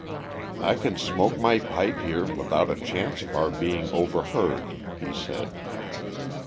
"I can smoke my pipe here without a chance of our being overheard," he said.